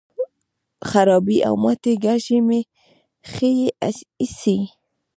خرابې او ماتې کاږي مې ښې ایسي.